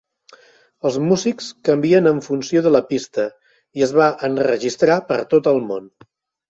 Els músics canvien en funció de la pista i es va enregistrar per tot el món.